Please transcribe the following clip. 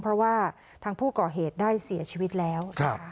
เพราะว่าทางผู้ก่อเหตุได้เสียชีวิตแล้วนะคะ